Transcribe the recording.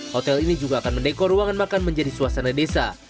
hotel ini juga akan mendekor ruangan makan menjadi suasana desa